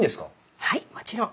はいもちろん。